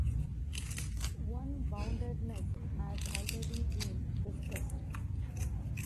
One, boundedness, has already been discussed.